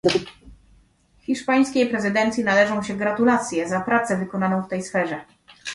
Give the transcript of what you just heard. Hiszpańskiej prezydencji należą się gratulacje za pracę wykonaną w tej sferze